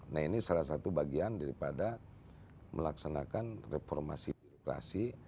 nah ini salah satu bagian daripada melaksanakan reformasi birokrasi